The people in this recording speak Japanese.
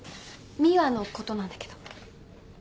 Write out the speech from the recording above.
美羽のことなんだけど。